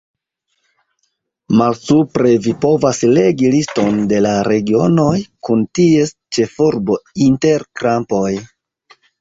Malsupre vi povas legi liston de la regionoj, kun ties ĉefurbo inter krampoj.